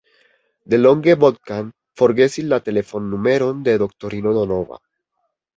Delonge Bogdan forgesis la telefonnumeron de doktorino Donova.